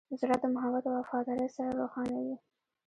زړه د محبت او وفادارۍ سره روښانه وي.